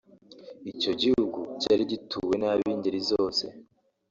icyo gihugu cyari gituwe n'ab'ingeri zose